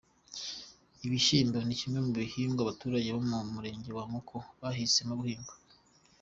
Ibishyimbo ni kimwe mu bihingwa abaturage bo mu murenge wa Muko bahisemo guhinga.